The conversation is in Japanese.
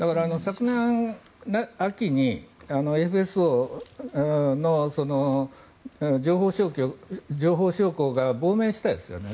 昨年秋にＦＳＯの情報将校が亡命したんですよね。